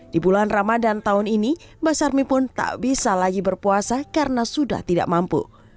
di bulan ramadan tahun ini mbak sarmi pun tak bisa lagi berpuasa karena sudah tidak mampu